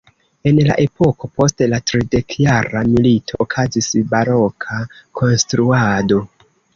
En la epoko post la tridekjara milito okazis baroka konstruado.